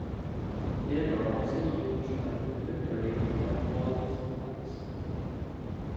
They were also used by the military for hauling supplies.